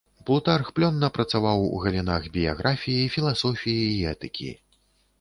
Плутарх плённа працаваў у галінах біяграфіі, філасофіі і этыкі.